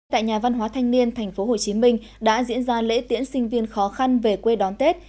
tại nhà văn hóa thanh niên tp hcm đã diễn ra lễ tiễn sinh viên khó khăn về quê đón tết